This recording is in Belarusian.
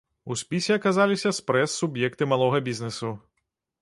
У спісе аказаліся спрэс суб'екты малога бізнэсу.